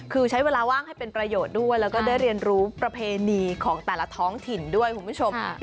คือใช้เวลาว่างให้เป็นประโยชน์ด้วยแล้วก็ได้เรียนรู้ประเพณีของแต่ละท้องถิ่นด้วยคุณผู้ชม